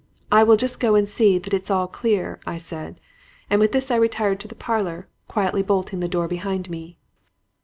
"'I will just go and see that it's all clear,' I said; and with this I retired to the parlor, quietly bolting the door behind me.